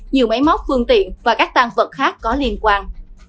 nhiều máy móc phương tiện và các tan vật khác có liên quan